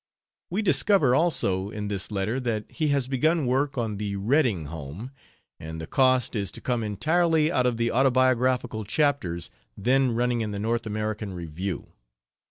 We discover, also, in this letter that he has begun work on the Redding home and the cost is to come entirely out of the autobiographical chapters then running in the North American Review.